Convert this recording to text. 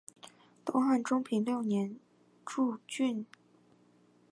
东汉中平六年诸郡。